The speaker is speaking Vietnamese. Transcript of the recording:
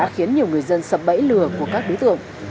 khiến nhiều người dân sập bẫy lừa của các đối tượng